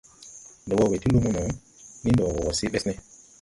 Ndɔ wɔ we ti lumo no, nii ndɔ wɔ se Ɓɛsne.